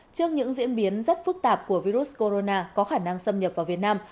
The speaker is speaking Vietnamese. trước những diễn biến rất phức tạp của virus corona có khả năng xâm nhập vào việt nam